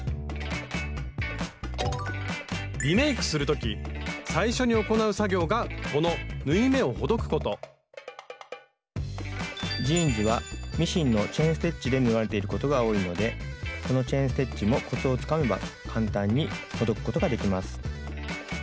リメイクする時最初に行う作業がこの縫い目をほどくことジーンズはミシンのチェーン・ステッチで縫われていることが多いのでこのチェーン・ステッチもコツをつかめば簡単にほどくことができます。